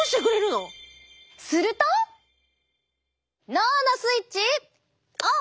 脳のスイッチオン！